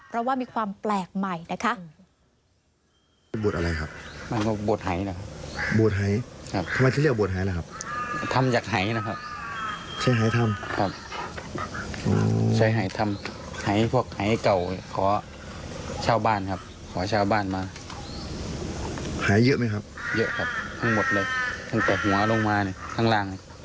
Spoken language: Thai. เพราะว่ามีความแปลกใหม่นะคะ